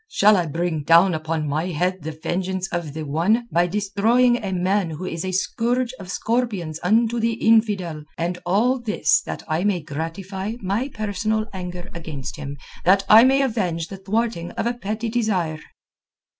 Shall I bring down upon my head the vengeance of the One by destroying a man who is a scourge of scorpions unto the infidel—and all this that I may gratify my personal anger against him, that I may avenge the thwarting of a petty desire?"